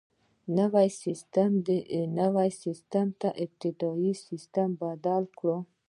نوي عصري سیسټم ته ابتدايي سیسټم بدل کړو.